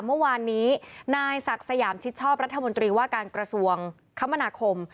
เมื่อวานนี้นายศักดิ์สยามชิดชอบรัฐมนตรีว่าการกระทรวงคมนาคม